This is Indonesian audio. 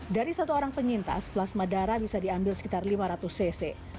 dari satu orang penyintas plasma darah bisa diambil sekitar lima ratus cc